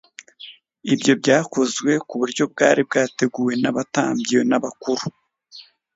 Ibyo byakozwe ku buryo bwari bwateguwe n'abatambyi n'abakuru.